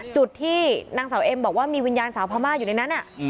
จุดที่นางสาวเอ็มบอกว่ามีวิญญาณสาวพม่าอยู่ในนั้น